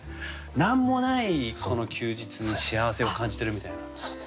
何もないこの休日に幸せを感じてるみたいな。